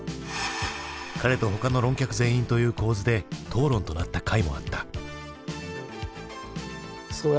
彼と他の論客全員という構図で討論となった回もあった。